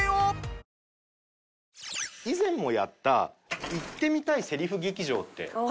以前もやった言ってみたいセリフ劇場って。